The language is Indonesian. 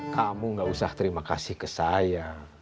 kamu gak usah terima kasih ke saya